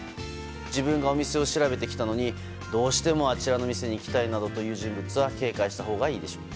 自分がお店を調べてきたのにどうしてもあちらのお店に行きたいという人物は警戒したほうがいいでしょう。